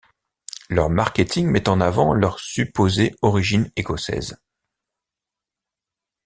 Leur marketing met en avant leur supposée origine écossaise.